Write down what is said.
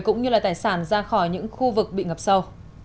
cũng như là tài sản ra khỏi những khu vực bị ngập sâu